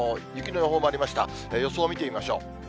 予想を見てみましょう。